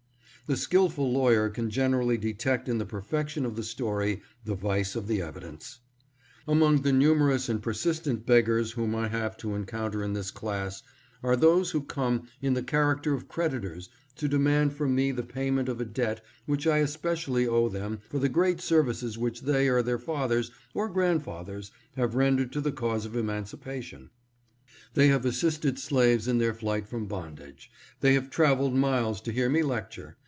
The skilful lawyer can gen erally detect in the perfection of the story the vice of the evidence. PERSISTENT BEGGARS. 643 Among the numerous and persistent beggars whom I have to encounter in this class are those who come in the character of creditors to demand from me the pay ment of a debt which I especially owe them for the great services which they or their fathers or grand fathers have rendered to the cause of emancipation. " They have assisted slaves in their flight from bond age." " They have traveled miles to hear me lecture.''